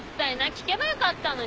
聞けばよかったのに。